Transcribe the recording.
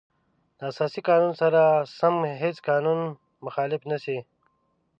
د اساسي قانون سره سم هیڅ قانون مخالف نشي.